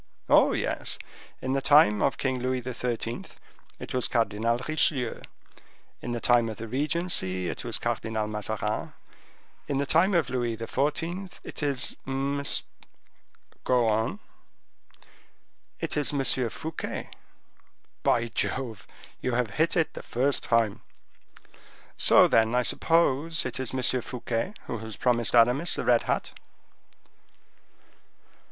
"Oh, yes; in the time of King Louis XIII. it was Cardinal Richelieu; in the time of the regency it was Cardinal Mazarin. In the time of Louis XIV. it is M—" "Go on." "It is M. Fouquet." "Jove! you have hit it the first time." "So, then, I suppose it is M. Fouquet who has promised Aramis the red hat."